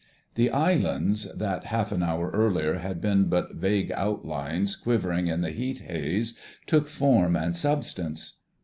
The islands, that half an hour earlier had been but vague outlines quivering in the heat haze, took form and substance.